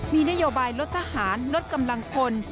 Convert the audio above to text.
มีนโยบายลดทหารลดกำลังพล